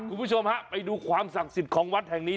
คุณผู้ชมฮะไปดูความศักดิ์สิทธิ์ของวัดแห่งนี้